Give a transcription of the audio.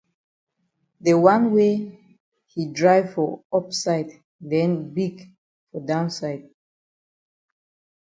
De wan wey yi dry for up side den big for side down.